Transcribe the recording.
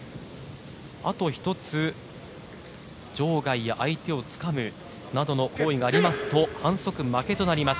あと１つ場外や相手をつかむなどの行為がありますと反則負けとなります。